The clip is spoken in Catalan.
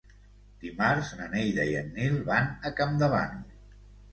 Dimarts na Neida i en Nil van a Campdevànol.